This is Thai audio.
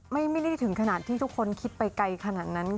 ไม่ได้ถึงขนาดที่ทุกคนคิดไปไกลขนาดนั้น